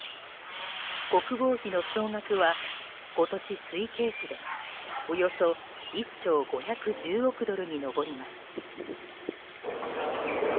国防費の総額は今年推計値でおよそ１兆５１０億ドルに上ります。